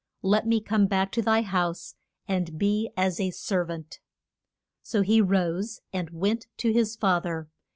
Let me come back to thy house, and be as a ser vant. So he rose and went to his fa ther.